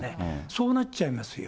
そうなっちゃいますよ。